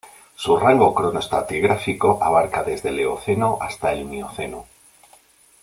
Su rango cronoestratigráfico abarca desde el Eoceno hasta el Mioceno.